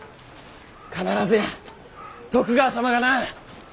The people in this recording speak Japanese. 必ずや徳川様がな。